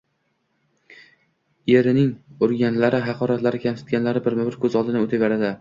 Erining urganlari, haqoratlari, kamsitganlari birma-bir ko`z oldidan o`taveradi